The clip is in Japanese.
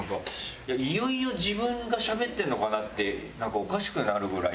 いよいよ自分がしゃべってるのかなっておかしくなるぐらい。